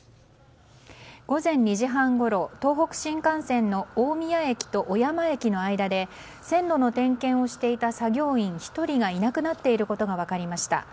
午前２時半ごろ、東北新幹線の大宮駅と小山駅の間で線路の点検をしていた作業員１人がいなくなっていることが分かりました。